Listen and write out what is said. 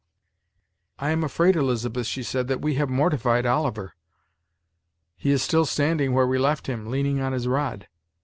"I am afraid, Elizabeth," she said, "that we have mortified Oliver. He is still standing where we left him, leaning on his rod.